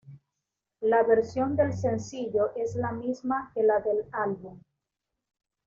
La versión del sencillo es la misma que la del álbum.